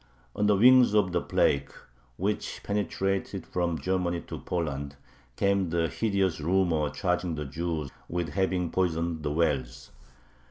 On the wings of the plague, which penetrated from Germany to Poland, came the hideous rumor charging the Jews with having poisoned the wells.